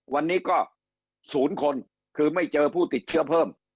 วันนี้ก็๐คนคือไม่เจอผู้ติดเชื้อเพิ่ม